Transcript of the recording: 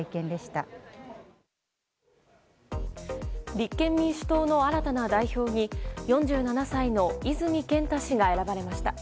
立憲民主党の新たな代表に４７歳の泉健太氏が選ばれました。